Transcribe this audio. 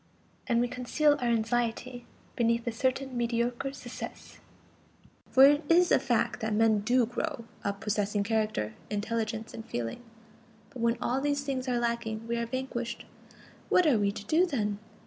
And we conceal our anxiety beneath a certain mediocre success, for it is a fact that men do grow up possessing character, intelligence and feeling. But when all these things are lacking, we are vanquished. What are we to do then?